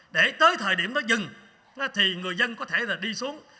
để tới thời điểm nó dừng thì người dân có thể đi xuống